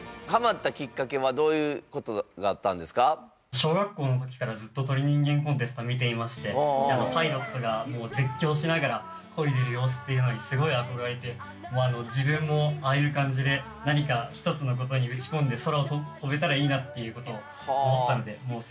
小学校の時からずっと「鳥人間コンテスト」見ていましてパイロットが絶叫しながらこいでる様子っていうのにすごい憧れて自分もああいう感じで何か一つのことに打ち込んで空を飛べたらいいなっていうことを思ったんです